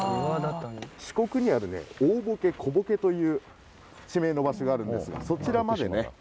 四国にある大歩危小歩危という地名の場所があるんですがそちらまでね